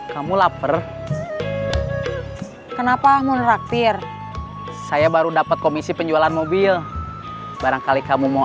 kamu lapar kenapa muraktir saya baru dapat komisi penjualan mobil barangkali kamu mau